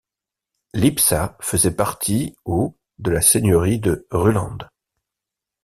Lipsa faisait partie au de la seigneurie de Ruhland.